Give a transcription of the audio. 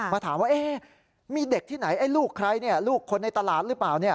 มาถามว่ามีเด็กที่ไหนไอ้ลูกใครลูกคนในตลาดหรือเปล่า